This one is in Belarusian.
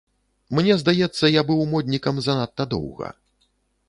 Мне здаецца, я быў моднікам занадта доўга.